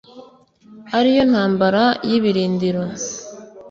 ari yo ntambara y'ibirindiro.